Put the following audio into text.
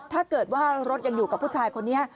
ถ้าเกิดว่ารถยังอยู่กับผู้ชายคนนี้